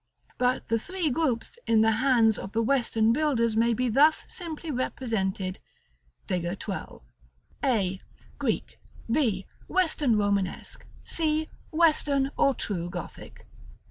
But the three groups, in the hands of the Western builders, may be thus simply represented: a, Fig. XII., Greek; b, Western Romanesque; c, Western, or true, Gothic.